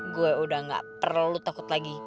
gue udah gak perlu takut lagi